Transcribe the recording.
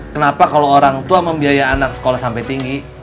kenapa kalau orang tua membiaya anak sekolah sampai tinggi